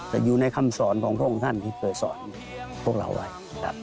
แต่อยู่ในคำสอนของพระองค์ท่านที่เคยสอนพวกเราไว้นะครับ